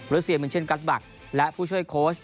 รูซีอันเหมือนเช่นกัลต์บัคและผู้ช่วยโค้ช